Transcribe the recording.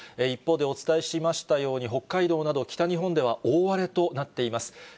一方でお伝えしましたように、北海道など北日本では大荒れとなっています。